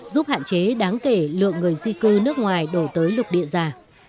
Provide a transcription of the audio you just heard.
giúp hạn chế đáng kể lượng người di cư nước ngoài đổ tới lục địa già